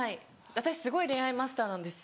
私すごい恋愛マスターなんです。